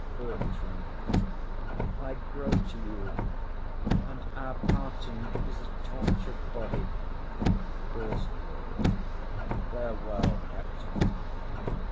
BERTRAM. I grow to you, and our parting is a tortur'd body. FIRST LORD. Farewell, captain.